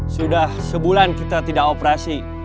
sudah sebulan kita tidak operasi